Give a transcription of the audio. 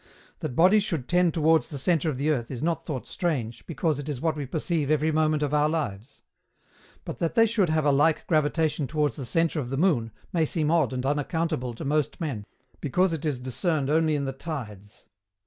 That bodies should tend towards the centre of the earth is not thought strange, because it is what we perceive every moment of our lives. But, that they should have a like gravitation towards the centre of the moon may seem odd and unaccountable to most men, because it is discerned only in the tides.